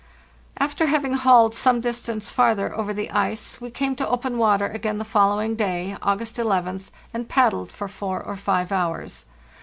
After having hauled some distance farther over the ice we came to open water again the following day (August 11th) and paddled for four or five hours.